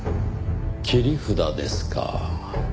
切り札ですか。